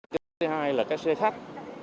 cái xe hai là các xe khách